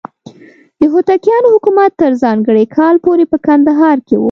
د هوتکیانو حکومت تر ځانګړي کال پورې په کندهار کې و.